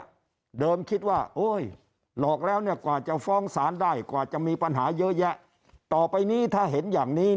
มันจะทำให้หนึ่งสารพิจารณาได้ง่ายขึ้นเร็วขึ้น